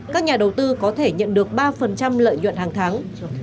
các nhà đầu tư có thể nhận được ba lợi nhuận hàng tháng